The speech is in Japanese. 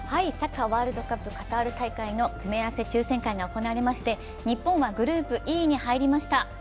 サッカー、ワールドカップカタール大会の組み合わせ抽選会が行われまして日本はグループＥに入りました。